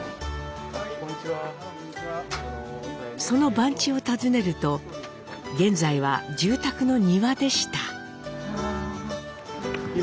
その番地を訪ねると現在は住宅の庭でした。